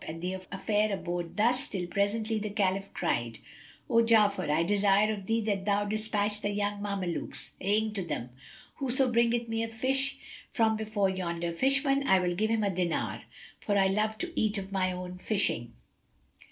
And the affair abode thus, till presently the Caliph cried, "O Ja'afar, I desire of thee that thou despatch the young Mamelukes, saying to them, 'Whoso bringeth me a fish from before yonder fisherman, I will give him a dinar;' for I love to eat of my own fishing."